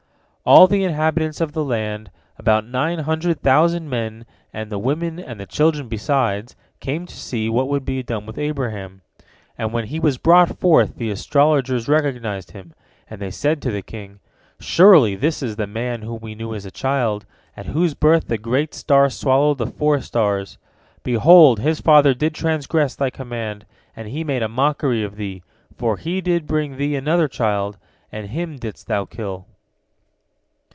All the inhabitants of the land, about nine hundred thousand men, and the women and the children besides, came to see what would be done with Abraham. And when he was brought forth, the astrologers recognized him, and they said to the king, "Surely, this is the man whom we knew as a child, at whose birth the great star swallowed the four stars. Behold, his father did transgress thy command, and he made a mockery of thee, for he did bring thee another child, and him didst thou kill."